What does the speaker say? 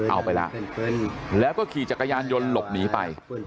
เอาไปแล้วแล้วก็ขี่จักรยานยนต์หลบหนีไป